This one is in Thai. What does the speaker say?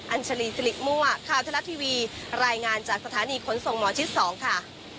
ัญชาลีสิริมั่วข่าวทะลัดทีวีรายงานจากสถานีขนส่งหมอชิด๒ค่ะ